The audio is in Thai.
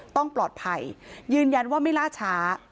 ต้องปลอดภัยยืนยันว่าไม่ล่าช้า